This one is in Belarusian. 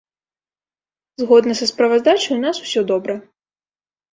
Згодна са справаздачай, у нас усё добра.